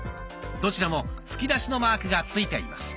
どちらも吹き出しのマークが付いています。